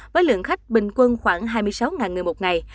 với lượng khách bình quân khoảng hai mươi sáu người một ngày